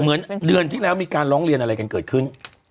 เหมือนเดือนที่แล้วมีการร้องเรียนอะไรกันเกิดขึ้น